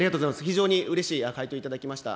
非常にうれしい回答いただきました。